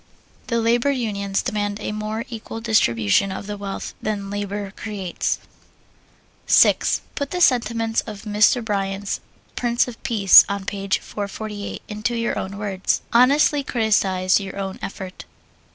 The labor unions demand a more equal distribution of the wealth that labor creates. 6. Put the sentiments of Mr. Bryan's "Prince of Peace," on page 448, into your own words. Honestly criticise your own effort.